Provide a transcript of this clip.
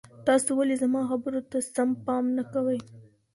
تاسو ولي زما خبرو ته سم پام نه کوئ؟